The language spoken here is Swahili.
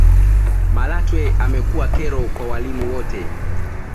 malatwe umekuwa kero kwa walimu wote